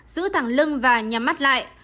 giữ thẳng lưng và nhắm mắt lại